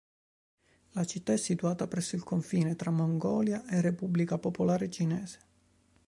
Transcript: La città è situata presso il confine tra Mongolia e Repubblica Popolare Cinese.